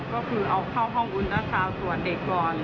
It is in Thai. ก็คือเอาเข้าห้องอุตสาวสวนเด็กก่อน